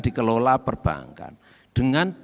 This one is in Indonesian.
dikelola perbankan dengan